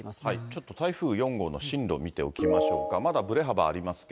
ちょっと台風４号の進路見ていきましょう。